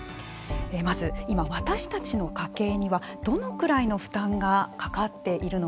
まず今、私たちの家計にはどのくらいの負担がかかっているのか。